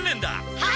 はい！